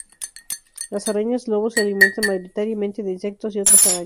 Las arañas lobo se alimentan mayoritariamente de insectos y otras arañas.